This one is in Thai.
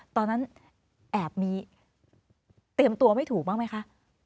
ตอนนั้นแอบมีเตรียมตัวไม่ถูกบ้างไหมคะ